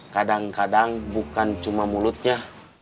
kadang kadang bukan cuma mulutnya